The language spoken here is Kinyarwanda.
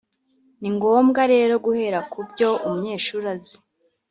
ni ngombwa rero guhera ku byo umunyeshuri azi